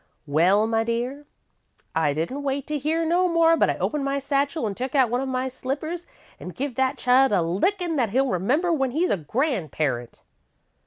"Well, my dear, I didn't wait to hear no more, but I opened my satchel an' took out one of my slippers an' give that child a lickin' that he'll remember when he's a grandparent.